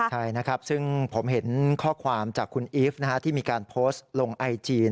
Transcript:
ใช่นะครับซึ่งผมเห็นข้อความจากคุณอีฟที่มีการโพสต์ลงไอจี